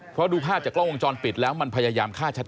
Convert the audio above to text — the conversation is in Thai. เพราะดูภาพจากกล้องวงจรปิดแล้วมันพยายามฆ่าชัด